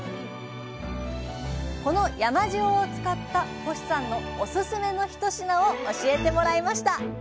この山塩を使った星さんのおすすめの一品を教えてもらいました。